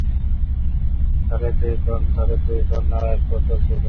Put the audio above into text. তাদের দুই কন্যা ও এক পুত্র ছিল।